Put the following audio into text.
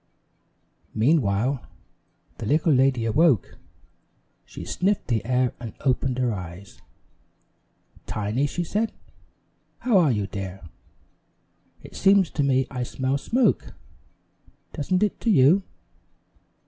Meanwhile, the little lady awoke. She sniffed the air and opened her eyes. "Tiny," she said, "how are you, dear? It seems to me I smell smoke. Doesn't it to you?"